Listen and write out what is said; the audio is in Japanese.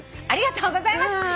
ありがとうございます。